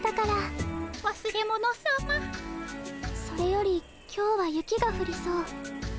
それより今日は雪がふりそう。